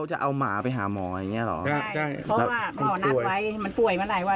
จะไปอีกมาเรียนวิ่งอีกใส่นี้